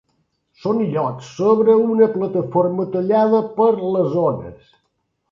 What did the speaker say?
Són illots sobre una plataforma tallada per les ones.